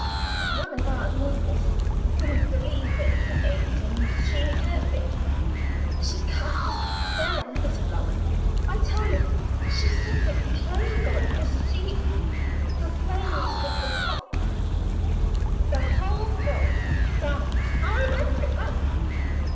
One of our neighbors didn't believe in her age, and she heard of it. She cast a spell on his flock. I tell you, she sent a plague on his sheep, the plague of the Bots. The whole flock died; I remember it well.